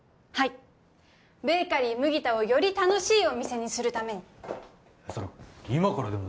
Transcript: はいベーカリー麦田をより楽しいお店にするためにそれ